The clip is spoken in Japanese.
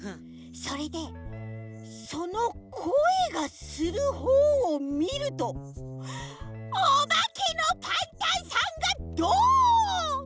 それでそのこえがするほうをみるとおばけのパンタンさんがどん！